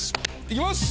行きます！